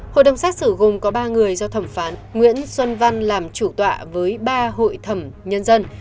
hội đồng xét xử gồm có ba người do thẩm phán nguyễn xuân văn làm chủ tọa với ba hội thẩm nhân dân